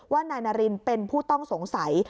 นายนารินเป็นผู้ต้องสงสัย